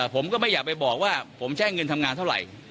ผมก็ไม่อยากไปบอกว่าผมแช่งเงินทำงานเท่าไหร่